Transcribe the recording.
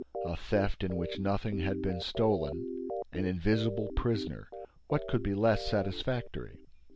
A theft in which nothing had been stolen; an invisible prisoner: what could be less satisfactory?